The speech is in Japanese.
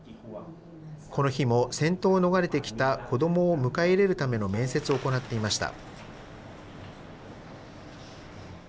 この日も戦闘を逃れてきた子どもを迎え入れるための面接を行っていました。